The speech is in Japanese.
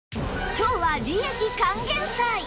今日は利益還元祭！